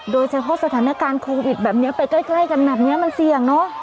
โดยเฉพาะสถานการณ์โควิดแบบนี้ไปใกล้กันแบบนี้มันเสี่ยงเนอะ